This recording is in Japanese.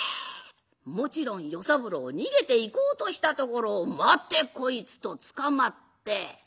もちろん与三郎逃げていこうとしたところを「待てこいつ」と捕まって。